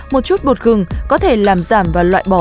một chút bột gừng có thể làm giảm và loại bỏ